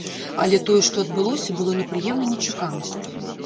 Але тое, што адбылося, было непрыемнай нечаканасцю.